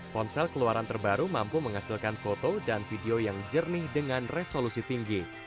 ponsel keluaran terbaru mampu menghasilkan foto dan video yang jernih dengan resolusi tinggi